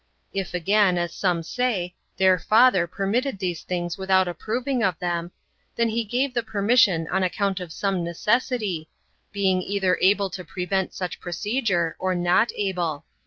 If again, as some say, their Father permitted these things without approving of them, then Pie gave the permission on account of some necessity, being either able to prevent [such procedure], or not able.